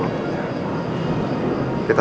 bantu dia ya